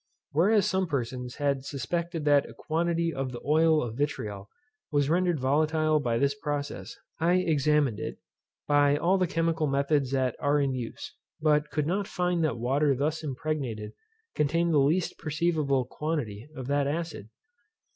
Whereas some persons had suspected that a quantity of the oil of vitriol was rendered volatile by this process, I examined it, by all the chemical methods that are in use; but could not find that water thus impregnated contained the least perceivable quantity of that acid.